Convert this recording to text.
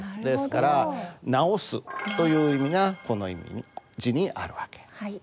ですから直すという意味がこの字にある訳。